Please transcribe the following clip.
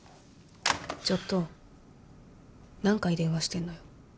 ちょっと何回電話してんのよ。